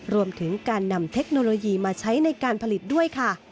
รวมถึงการนำเทคโนโลยีมาใช้ในการผลิตด้วยค่ะ